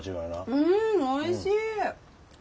うんおいしい！